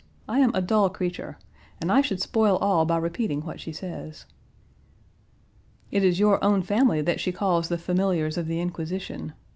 I am a dull creature, and I should spoil all by repeating what she says." "It is your own family that she calls the familiars of the Inquisition.